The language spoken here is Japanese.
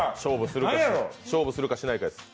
勝負するかしないか。